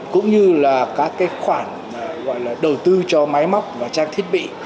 cũng như là các cái khoản gọi là đầu tư cho máy móc và trang thiết bị